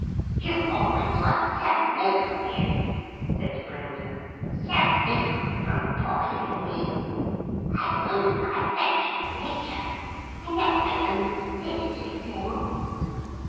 'You always were so noble, dearest,' said Brenda; 'so different from poor little me. I've only my affectionate nature. I know I'm only a silly little thing.'